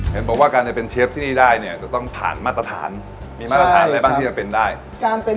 เห็นบอกว่าการเป็นเชฟที่นี่ได้จะต้องผ่านมาตรฐาน